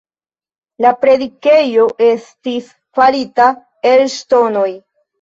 La predikejo estis farita el ŝtonoj.